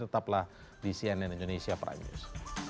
tetaplah di cnn indonesia prime news